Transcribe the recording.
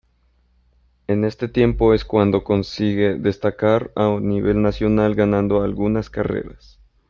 En este tiempo es cuando consigue destacar a nivel nacional ganando algunas carreras.